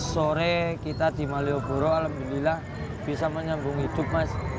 sore kita di malioboro alhamdulillah bisa menyambung hidup mas